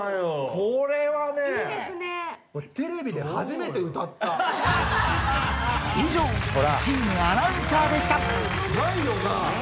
これはね、テレビで初めて歌以上、チームアナウンサーでないよな。